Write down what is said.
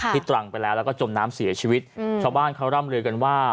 ตรังไปแล้วแล้วก็จมน้ำเสียชีวิตชาวบ้านเขาร่ำลือกันว่า